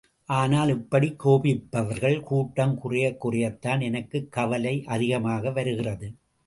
ஆனால் இப்படிக் கோபிப்பவர்கள் கூட்டம் குறைய குறையத்தான் எனக்குக் கவலை அதிகமாகி வருகிறது.